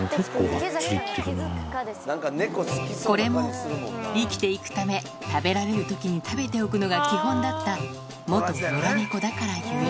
これも生きていくため、食べられるときに食べておくのが基本だった、元野良猫だからゆえ。